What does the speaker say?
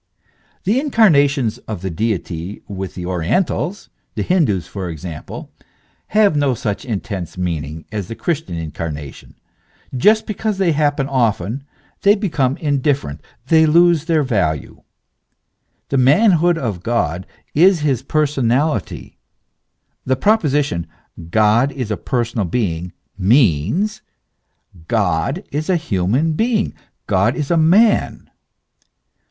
The incarnations of the Deity with the orientals the Hin doos for example, have no such intense meaning as the Chris tian incarnation ; just because they happen often they become indifferent, they lose their value. The manhood of God is his personality ; the proposition, God is a personal being, means : God is a human being, God is a man.